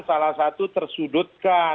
salah satu tersudutkan